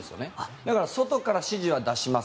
だから外から指示は出します